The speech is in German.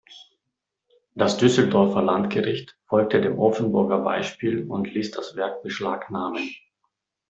Das Düsseldorfer Landgericht folgte dem Offenburger Beispiel und ließ das Werk beschlagnahmen.